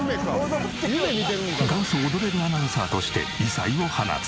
元祖踊れるアナウンサーとして異彩を放つ。